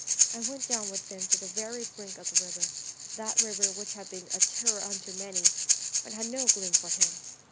I went down with him to the very brink of the river that river which has been a terror unto many, but had no gloom for him.